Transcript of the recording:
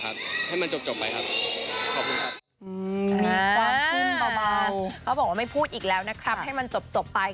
เขาบอกว่าไม่พูดอีกแล้วนะครับให้มันจบไป